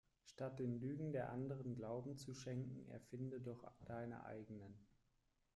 Statt den Lügen der Anderen Glauben zu schenken erfinde doch deine eigenen.